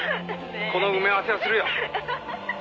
「この埋め合わせはするよ」